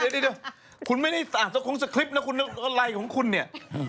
เดี๋ยวคุณไม่ได้อ่านสคงสคริปต์นะคุณอะไรของคุณเนี่ย